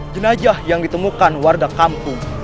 jenajah yang ditemukan warga kampung